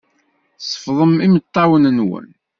Sefḍem imeṭṭawen-nwen.